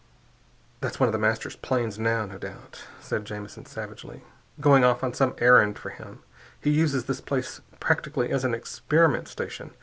"That's one of The Master's planes now, no doubt," said Jamison savagely, "going off on some errand for him. He uses this place practically as an experiment station.